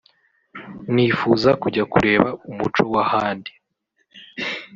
nifuza kujya kureba umuco w’ahandi